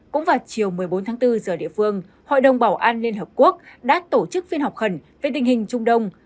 cũng vào chiều một mươi bốn tháng bốn giờ địa phương hội đồng bảo an liên hợp quốc đã tổ chức phiên họp khẩn về tình hình trung đông